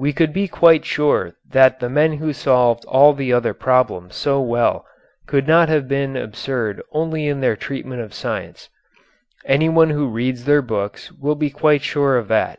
We could be quite sure that the men who solved all the other problems so well could not have been absurd only in their treatment of science. Anyone who reads their books will be quite sure of that.